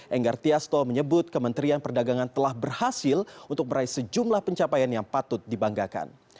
enggar tiasto menyebut kementerian perdagangan telah berhasil untuk meraih sejumlah pencapaian yang patut dibanggakan